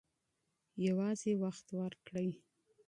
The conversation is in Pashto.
یوازې وخت ورکړئ.